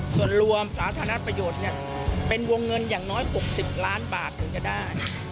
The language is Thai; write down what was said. ส่วนรวมสาธารณประโยชน์เป็นวงเงินอย่างน้อย๖๐ล้านบาทถึงจะได้